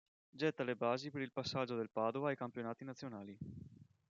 Getta le basi per il passaggio del Padova ai campionati nazionali.